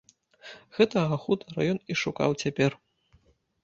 Гэтага хутара ён і шукаў цяпер.